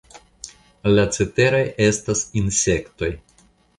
La ceteraj estas insektoj.